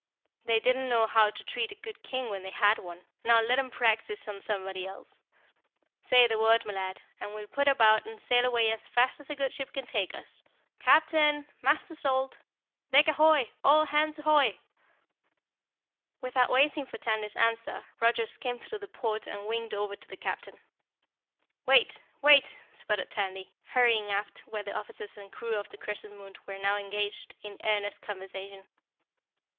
They didn't know how to treat a good King when they had one, now let 'em practice on somebody else. Say the word, m'lad, and we'll put about and sail away as fast as a good ship can take us! CAPTAIN! Master Salt! Deck ahoy! All hands 'HOY!" Without waiting for Tandy's answer, Roger skimmed through the port and winged over to the Captain. "Wait! Wait!" sputtered Tandy, hurrying aft where the officers and crew of the Crescent Moon were now engaged in earnest conversation.